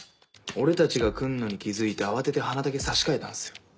俺たちが来るのに気付いて慌てて花だけ差し替えたんすよ。